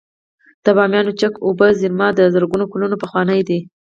د بامیانو چک اوبو زیرمه د زرګونه کلونو پخوانۍ ده